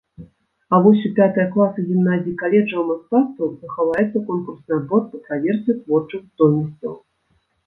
А вось у пятыя класы гімназій-каледжаў мастацтваў захаваецца конкурсны адбор па праверцы творчых здольнасцяў.